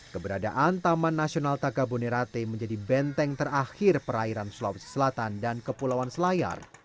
keberadaan taman nasional takabonerate menjadi benteng terakhir perairan sulawesi selatan dan kepulauan selayar